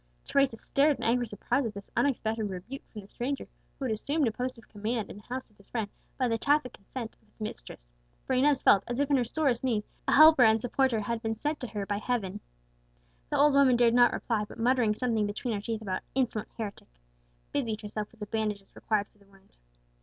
Teresa stared in angry surprise at this unexpected rebuke from the stranger, who had assumed a post of command in the house of his friend by the tacit consent of its mistress; for Inez felt as if, in her sorest need, a helper and supporter had been sent to her by Heaven. The old woman dared not reply, but muttering something between her teeth about "insolent heretic," busied herself with the bandages required for the wound.